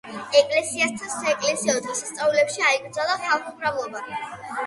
ეკლესიასთან საეკლესიო დღესასწაულებში აიკრძალა ხალხმრავლობა.